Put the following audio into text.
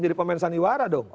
jadi pemain saniwara dong